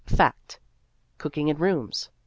Cooking in rooms .